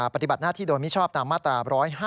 ปฏิบัติหน้าที่โดยมิชอบตามมาตรา๑๕